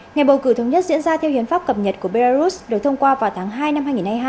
ngày bầu cử thống nhất diễn ra theo hiến pháp cập nhật của belarus được thông qua vào tháng hai năm hai nghìn hai mươi hai